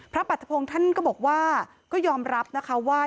ปรัฐพงศ์ท่านก็บอกว่าก็ยอมรับนะคะว่า